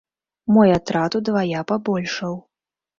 Мой атрад удвая пабольшаў.